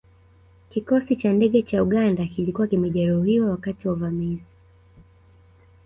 Kikosi cha ndege cha Uganda kilikuwa kimejeruhiwa wakati wa uvamizi